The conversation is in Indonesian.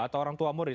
atau orang tua murid